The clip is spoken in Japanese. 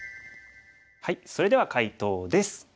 それでは解答です。